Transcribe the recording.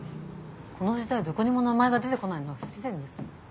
この時代どこにも名前が出て来ないのは不自然です。